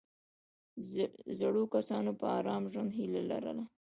زړو کسانو به د آرام ژوند هیله لرله.